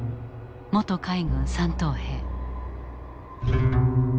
元海軍３等兵。